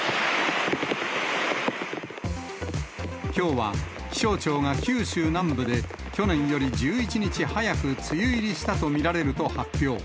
きょうは、気象庁が九州南部で去年より１１日早く梅雨入りしたと見られると発表。